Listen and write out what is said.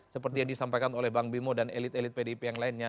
seperti yang disampaikan oleh bang bimo dan elit elit pdip yang lainnya